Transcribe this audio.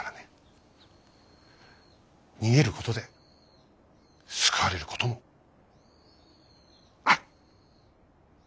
逃げることで救われることもある。